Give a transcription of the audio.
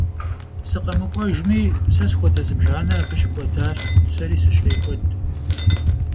СыкъэмыкӀуэжми, сэ схуэдэ зыбжанэ абы щыкӀуэдащ, сэри сыщрекӀуэд.